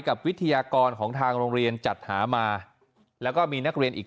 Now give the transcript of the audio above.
วิทยากรของทางโรงเรียนจัดหามาแล้วก็มีนักเรียนอีก